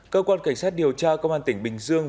cơ quan cảnh sát điều tra công an tỉnh bình dương